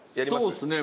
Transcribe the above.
そうですね。